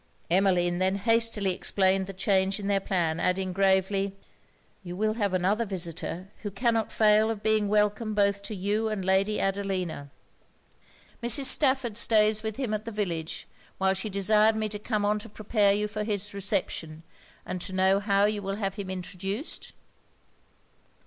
Emmeline then hastily explained the change in their plan; adding, gravely 'You will have another visitor, who cannot fail of being welcome both to you and Lady Adelina. Mrs. Stafford stays with him at the village, while she desired me to come on to prepare you for his reception, and to know how you will have him introduced?'